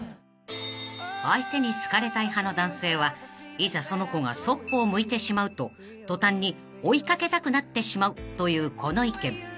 ［相手に好かれたい派の男性はいざその子がそっぽを向いてしまうと途端に追い掛けたくなってしまうというこの意見］